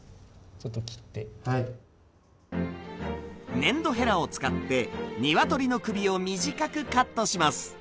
粘土ヘラを使ってにわとりの首を短くカットします。